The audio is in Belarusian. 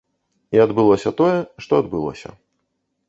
І адбылося тое, што адбылося.